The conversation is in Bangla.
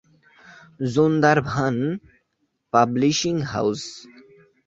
জোনদারভান পাবলিশিং হাউস.